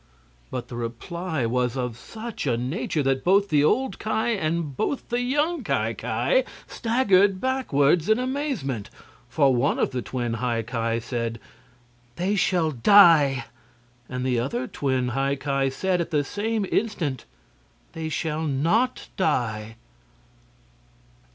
But the reply was of such a nature that both the old Ki and both the young Ki Ki staggered backward in amazement. For one of the twin High Ki said: "They shall die!" And the other twin High Ki said at the same instant: "They shall NOT die!"